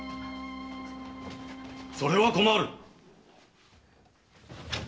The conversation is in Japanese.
・それは困る。